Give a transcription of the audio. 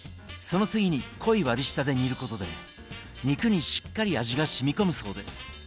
その次に濃い割り下で煮ることで肉にしっかり味がしみこむそうです。